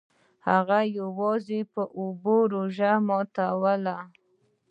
هغه یوازې په اوبو روژه ماتوله.